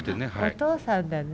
お父さんだね。